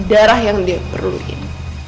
darah yang dia perluin